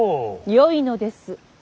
よいのです。